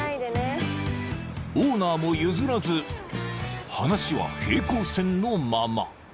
［オーナーも譲らず話は平行線のまま］